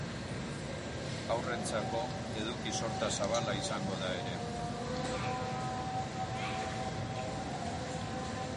Haurrentzako eduki-sorta zabala izango da ere.